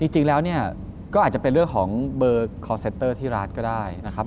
จริงแล้วเนี่ยก็อาจจะเป็นเรื่องของเบอร์คอร์เซนเตอร์ที่ร้านก็ได้นะครับ